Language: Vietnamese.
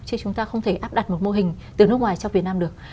chứ chúng ta không thể áp đặt một mô hình từ nước ngoài cho việt nam được